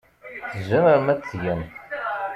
Tzemrem ad t-tgem.